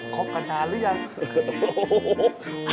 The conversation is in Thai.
คบกันนานหรือยังเห็นมั้ย